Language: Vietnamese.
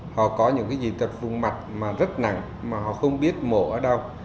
họ có những dị tật vùng mặt rất nặng mà họ không biết mổ ở đâu